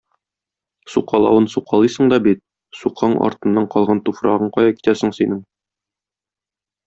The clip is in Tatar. Сукалавын сукалыйсың да бит, сукаң артыннан калган туфрагың кая китә соң синең?